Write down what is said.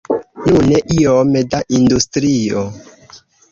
Nune iome da industrio.